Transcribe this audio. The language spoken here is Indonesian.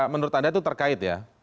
menurut anda itu terkait ya